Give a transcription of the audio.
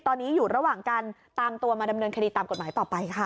ตอนนี้อยู่ระหว่างการตามตัวมาดำเนินคดีตามกฎหมายต่อไปค่ะ